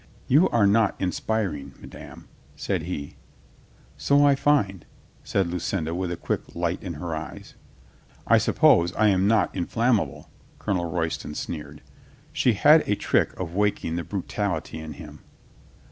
"You are not inspiring, madame," said he. "So I find," said Lucinda with a quick light in her eyes. "I suppose I am not inflammable," Colonel Roy ston sneered. She had a trick of waking the bru tality in him.